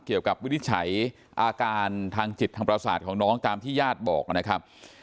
วินิจฉัยอาการทางจิตทางประสาทของน้องตามที่ญาติบอกนะครับ